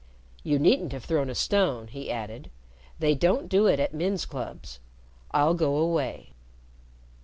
"You needn't have thrown a stone," he added. "They don't do it at men's clubs. I'll go away."